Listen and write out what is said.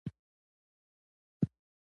د ناموس د حیا خوی او خصلت لوټلی دی.